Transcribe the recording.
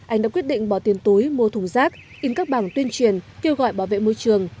anh đã quyết định bỏ tiền túi mua thùng rác in các bảng tuyên truyền kêu gọi bảo vệ môi trường